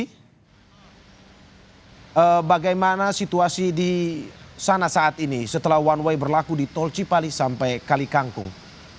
hai bagaimana situasi di sana saat ini setelah one way berlaku di tol cipali sampai kalikangkung